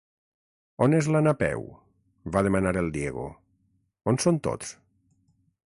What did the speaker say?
On és la Napeu? —va demanar el Diego— On són tots?